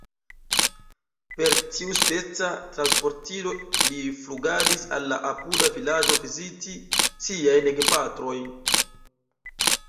Per tiuspeca transportilo li flugadis al la apuda vilaĝo viziti siajn gepatrojn.